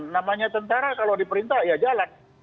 namanya tentara kalau diperintah ya jalan